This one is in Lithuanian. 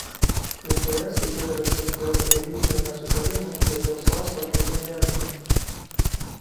Interesai kirtosi dėl religinių nesutarimų ir dėl sosto pretendentų.